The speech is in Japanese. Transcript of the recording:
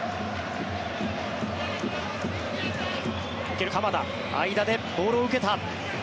受ける鎌田間でボールを受けた。